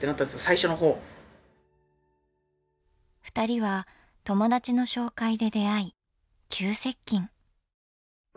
ふたりは友達の紹介で出会い急接近。